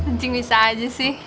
ncing bisa aja sih